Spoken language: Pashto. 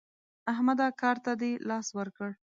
احمده کار ته دې لاس ورکړ؟